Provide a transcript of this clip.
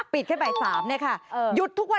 ปิดแค่บ่าย๓